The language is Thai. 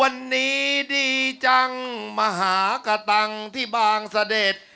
วันนี้ดีจังมาหากะตังที่บางเสด็จ